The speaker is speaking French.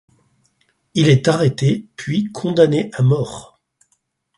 Il est arrêté puis condamné à mort.